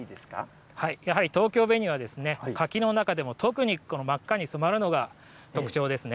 やはり東京紅は、柿の中でも特に真っ赤に染まるのが特徴ですね。